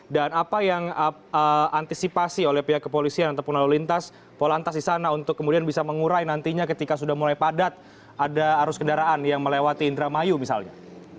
dan apa yang antisipasi oleh pihak kepolisian atau penelolintas polantas di sana untuk kemudian bisa mengurai nantinya ketika sudah mulai padat ada arus kendaraan yang melewati indramayu misalnya